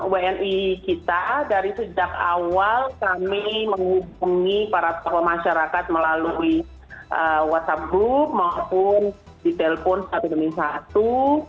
wni kita dari sejak awal kami menghubungi para tokoh masyarakat melalui whatsapp group maupun di telpon satu demi satu